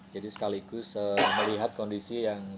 sekaligus melihat kondisi yang